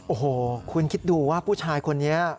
โอ้โหคุณคิดดูว่าผู้ชายคนนี้